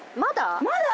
まだ？